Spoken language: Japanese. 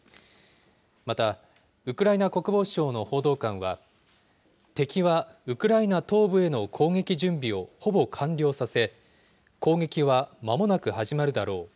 また、ウクライナ国防省の報道官は、敵はウクライナ東部への攻撃準備をほぼ完了させ、攻撃はまもなく始まるだろう。